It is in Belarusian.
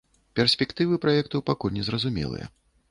Перспектывы праекту пакуль незразумелыя.